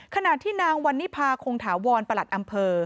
ขณะที่นางวันนิพาคงถาวรประหลัดอำเภอ